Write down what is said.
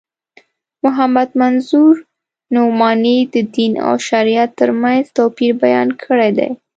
محمد منظور نعماني د دین او شریعت تر منځ توپیر بیان کړی دی.